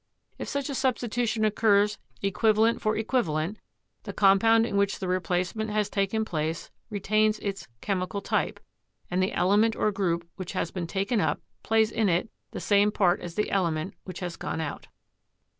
If such a substitution occurs equivalent for equiva lent, the compound in which the replacement has taken place retains its "chemical type," and the element or group which has been taken up plays in it the same part as the element which has gone out.